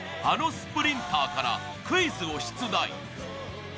あのスプリンターからクイズを出題。